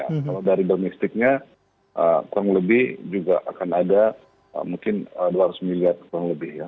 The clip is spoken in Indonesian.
kalau dari domestiknya kurang lebih juga akan ada mungkin dua ratus miliar kurang lebih ya